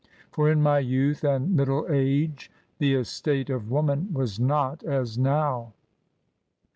For in my youth and middle age the estate of woman was not as now."